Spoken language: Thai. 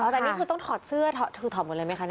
แต่นี่คือต้องถอดเสื้อถอดหมดเลยไหมคะ